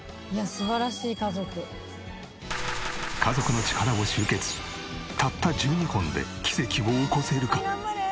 家族の力を集結したった１２本で奇跡を起こせるか？